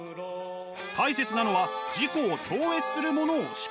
大切なのは「自己を超越するものを思考する」こと。